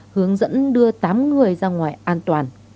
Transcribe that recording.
hướng dẫn đưa tám người ra ngoài an toàn